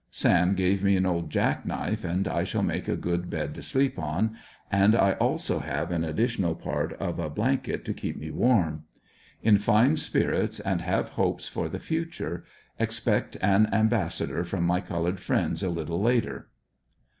Sam gave me an old jack knife and I shall make a good bed to sleep on, and I also have an additional part of a blank et to keep me warm. In fine spirits and have hopes for the future. Expect an ambassador from my colored friends a little later.